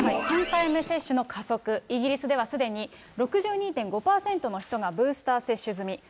３回目接種の加速、イギリスではすでに６２．５％の人がブースター接種済み。